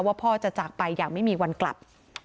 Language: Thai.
พ่อจะจากไปอย่างไม่มีวันกลับ